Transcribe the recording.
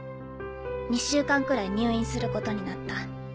２週間くらい入院することになった。